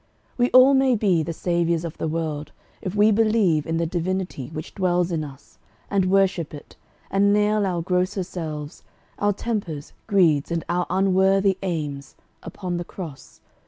We all may be The Saviours of the world if we believe In the Divinity which dwells in us And worship it, and nail our grosser selves, Our tempers, greeds, and our unworthy aims, Upon the cross.